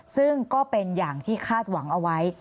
ซึ่งก็เป็นอย่างที่คาดหวังเอาไว้